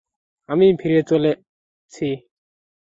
আমি ফিরে চলছি।